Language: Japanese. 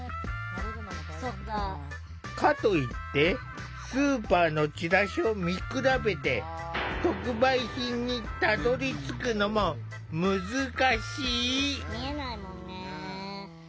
かといってスーパーのチラシを見比べて特売品にたどりつくのも難しい。